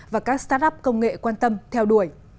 và các start up công nghệ quan tâm theo đuổi